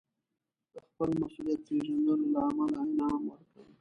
د خپل مسوولیت پېژندلو له امله انعام ورکړ.